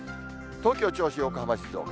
東京、銚子、横浜、静岡。